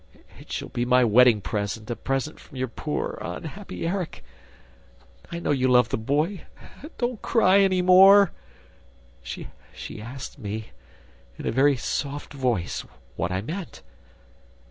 ... It shall be my wedding present a present from your poor, unhappy Erik ... I know you love the boy ... don't cry any more! ... She asked me, in a very soft voice, what I meant